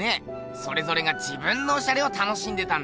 それぞれが自分のオシャレを楽しんでたんだ。